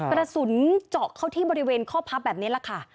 กระสุนเจาะเข้าที่บริเวณข้อพับแบบนี้แหละค่ะ